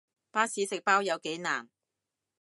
巴士食包有幾難